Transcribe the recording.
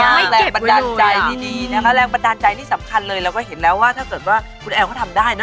แรงบันดาลใจดีนะคะแรงบันดาลใจนี่สำคัญเลยเราก็เห็นแล้วว่าถ้าเกิดว่าคุณแอลเขาทำได้นะ